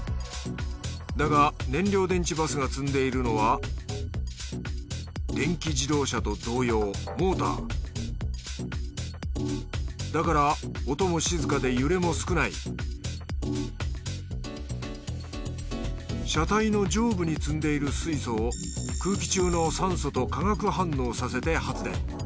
だが燃料電池バスが積んでいるのは電気自動車と同様モーターだから音も静かで揺れも少ない車体の上部に積んでいる水素を空気中の酸素と化学反応させて発電。